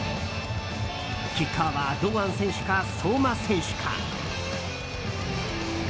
キッカーは堂安選手か相馬選手か。